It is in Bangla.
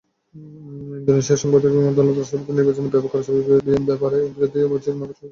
ইন্দোনেশিয়ায় সাংবিধানিক আদালত রাষ্ট্রপতি নির্বাচনে ব্যাপক কারচুপির ব্যাপারে বিরোধীদের অভিযোগ নাকচ করে দিয়েছেন।